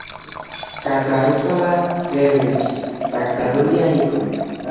გარდაიცვალა ბერლინში; დაკრძალულია იქვე.